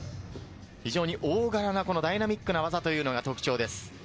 非常に大柄な、ダイナミックな技というのが特徴です。